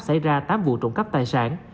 xảy ra tám vụ trộn cắp tài sản